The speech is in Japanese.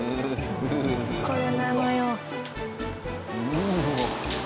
これなのよ。